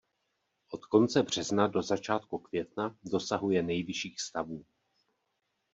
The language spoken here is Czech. Od konce března do začátku května dosahuje nejvyšších stavů.